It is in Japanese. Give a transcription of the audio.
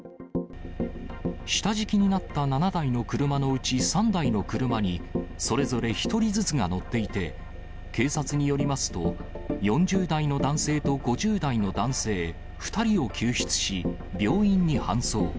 下敷きになった７台の車のうち３台の車に、それぞれ１人ずつが乗っていて、警察によりますと、４０代の男性と５０台の男性、２人を救出し、病院に搬送。